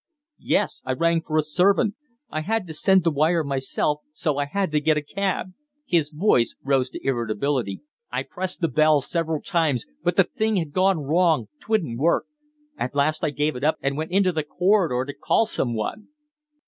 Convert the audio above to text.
"Yes. I rang for a servant. I had to send the wire myself, so I had to get a cab." His voice rose to irritability. "I pressed the bell several times; but the thing had gone wrong 'twouldn't work. At last I gave it up and went into the corridor to call some one."